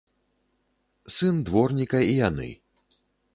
Сын дворніка і яны.